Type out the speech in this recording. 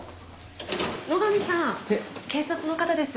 野上さん警察の方です。